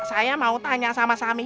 saya mau tanya sama sami